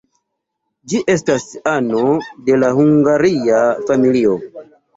Ĝi estas ano de la Hungaria familio.